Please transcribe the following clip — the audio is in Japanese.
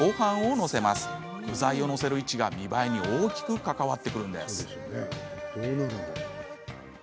この具材を載せる位置が見栄えに大きく関わってくるんです。